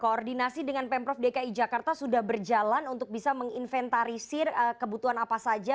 koordinasi dengan pemprov dki jakarta sudah berjalan untuk bisa menginventarisir kebutuhan apa saja